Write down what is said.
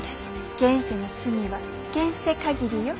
現世の罪は現世限りよ。